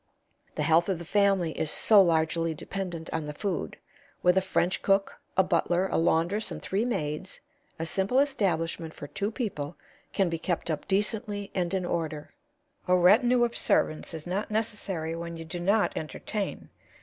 The health of the family is so largely dependent on the food. With a French cook, a butler, a laundress and three maids, a simple establishment for two people can be kept up decently and in order; a retinue of servants is not necessary when you do not entertain.